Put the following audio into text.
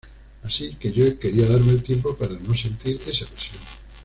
Así que yo quería darme el tiempo para no sentir esa presión".